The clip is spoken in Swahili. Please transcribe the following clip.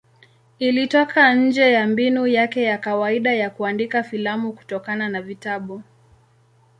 Ilitoka nje ya mbinu yake ya kawaida ya kuandika filamu kutokana na vitabu.